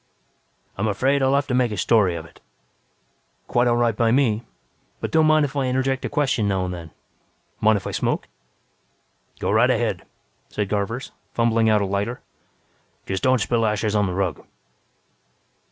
"I'm afraid I'll have to make a story of it." "Quite all right by me, but don't mind if I interject a question now and then. Mind if I smoke?" "Go right ahead," said Garvers, fumbling out a lighter. "Just don't spill ashes on the rug.